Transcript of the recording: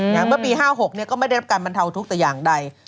เมื่อปี๕๖ก็ไม่ได้รับการบรรเทาทุกข์แต่อย่างใด